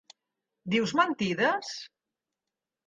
Dius mentides?